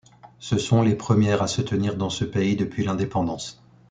Ce sont les premières à se tenir dans ce pays depuis l’indépendance.